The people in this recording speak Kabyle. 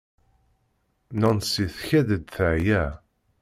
Nancy tkad-d teɛya.